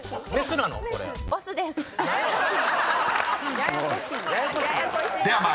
ややこしい。